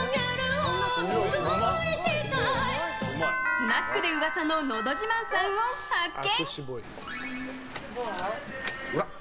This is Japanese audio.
スナックで噂ののど自慢さんを発見。